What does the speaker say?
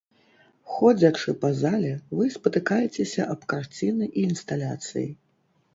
Ходзячы па зале, вы спатыкаецеся аб карціны і інсталяцыі.